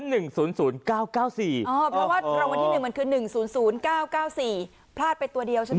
เพราะว่ารางวัลที่๑มันคือ๑๐๐๙๙๔พลาดไปตัวเดียวใช่ไหม